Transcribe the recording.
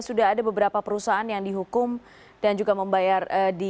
sudah ada beberapa perusahaan yang dihukum dan juga membayar di